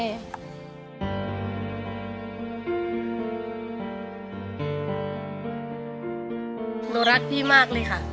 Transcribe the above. หนูรักพี่มากเลยค่ะ